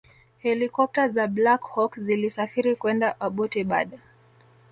helikopta za Black Hawk zilisafiri kwenda Abbottabad